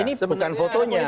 ini bukan fotonya